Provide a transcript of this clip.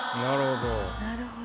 なるほど。